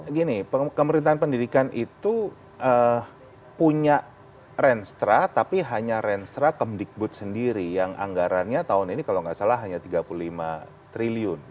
begini pemerintahan pendidikan itu punya renstra tapi hanya renstra kemdikbud sendiri yang anggarannya tahun ini kalau nggak salah hanya rp tiga puluh lima triliun